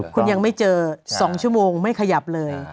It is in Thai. คุณยังไม่เจอ๒ชั่วโมงไม่ขยับเลย